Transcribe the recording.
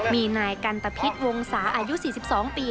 มีนายกันตะพิษวงศาอายุ๔๒ปี